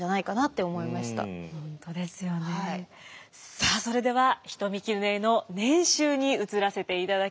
さあそれでは人見絹枝の年収に移らせていただきます。